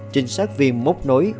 trinh sát viên mốc nối